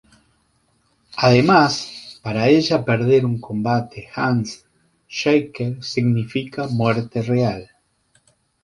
Además, para ella perder un combate Hand Shaker significa muerte real.